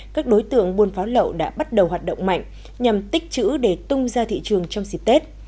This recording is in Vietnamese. các đối tượng buôn pháo lậu đã bắt đầu hoạt động mạnh nhằm tích chữ để tung ra thị trường trong dịp tết